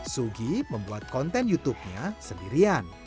sugi membuat kontenhabitude nya sendirian